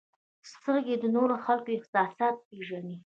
• سترګې د نورو خلکو احساسات پېژني.